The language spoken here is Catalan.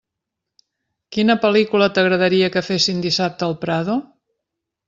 Quina pel·lícula t'agradaria que fessin dissabte al Prado?